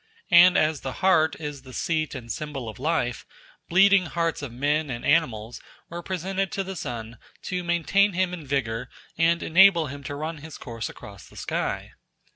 And as the heart is the seat and symbol of life, bleeding hearts of men and animals were presented to the sun to maintain him in vigour and enable him to run his course across the sky.